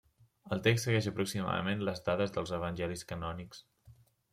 El text segueix aproximadament les dades dels evangelis canònics.